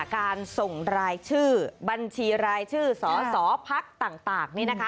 การส่งรายชื่อบัญชีรายชื่อสสพักต่างนี่นะคะ